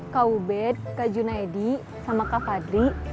kak ubed kak junaidi sama kak fadri